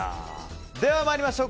では参りましょう。